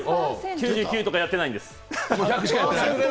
９９とか、やってないんです。